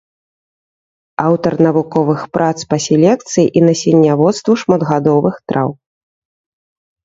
Аўтар навуковых прац па селекцыі і насенняводству шматгадовых траў.